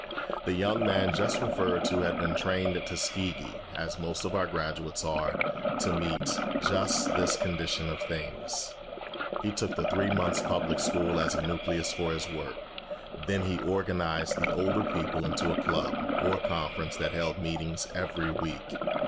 The young man just referred to had been trained at Tuskegee, as most of our graduates are, to meet just this condition of things. He took the three months' public school as a nucleus for his work. Then he organized the older people into a club, or conference, that held meetings every week.